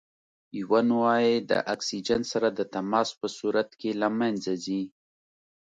یوه نوعه یې د اکسیجن سره د تماس په صورت کې له منځه ځي.